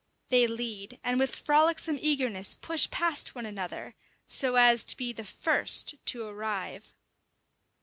They lead, and with frolicsome eagerness push past one another, so as to be the first to arrive.